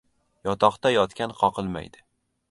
• Yotoqda yotgan qoqilmaydi.